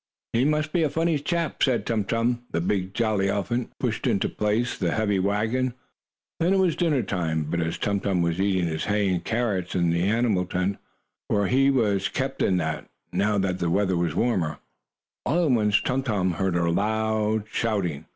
"He must be a funny chap," said Tum Tum. The big, jolly elephant pushed into place the heavy wagon. Then it was dinner time. But as Tum Tum was eating his hay and carrots in the animal tent, for he was kept in that, now that the weather was warmer, all at once Tum Tum heard a loud shouting.